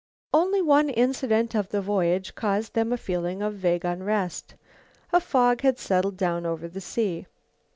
Only one incident of the voyage caused them a feeling of vague unrest. A fog had settled down over the sea.